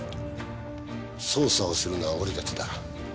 捜査をするのは俺たちだ。